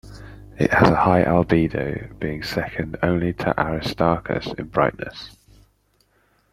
It has a high albedo, being second only to Aristarchus in brightness.